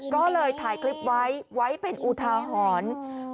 ก็เลยถ่ายคลิปไว้ไว้เป็นอุทาหรณ์